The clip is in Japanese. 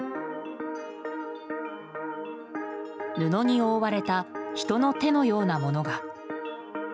布に覆われた人の手のようなものが。